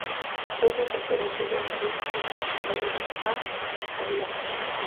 Donna se entera que Jack Reese ha sido trasladado a Aviano.